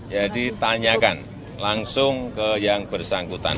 ya jadi tanyakan langsung ke yang bersangkutan